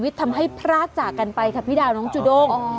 ทำให้พรากจากกันไปค่ะพี่ดาวน้องจูด้ง